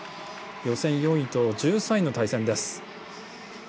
予選４位と１３位の対戦です。